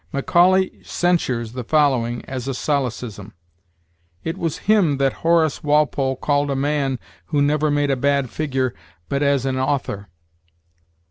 Macaulay censures the following as a solecism: 'It was him that Horace Walpole called a man who never made a bad figure but as an author.'